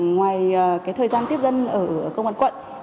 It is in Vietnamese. ngoài thời gian tiếp dân ở công an quận long biên